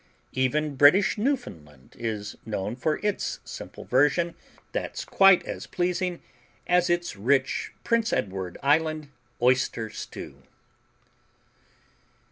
Even British Newfoundland is known for its simple version, that's quite as pleasing as its rich Prince Edward Island Oyster Stew.